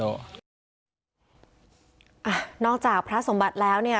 นอกจากพระสมบัติแล้วเนี่ย